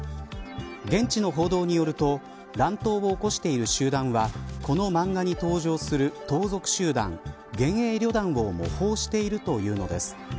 現地の報道によると乱闘を起こしている集団はこの漫画に登場する盗賊集団幻影旅団を模倣しているというのです。